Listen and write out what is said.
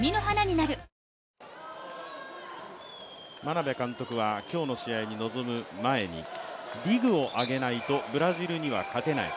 眞鍋監督は今日の試合に臨む前にディグを上げないと、ブラジルには勝てない。